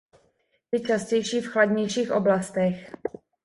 Je častější v chladnějších oblastech.